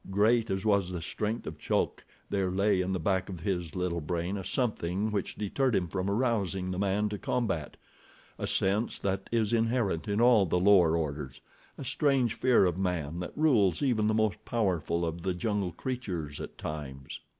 Great as was the strength of Chulk there lay in the back of his little brain a something which deterred him from arousing the man to combat—a sense that is inherent in all the lower orders, a strange fear of man, that rules even the most powerful of the jungle creatures at times.